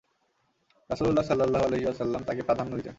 রাসূলুল্লাহ সাল্লাল্লাহু আলাইহি ওয়াসাল্লাম তাকে প্রাধান্য দিতেন।